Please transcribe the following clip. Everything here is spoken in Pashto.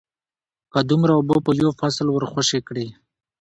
که دومره اوبه په یو فصل ورخوشې کړې